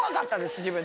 自分で。